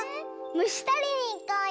むしとりにいこうよ！